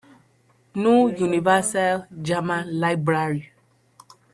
New Universal German Library